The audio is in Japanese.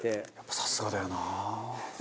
「さすがだよなあ」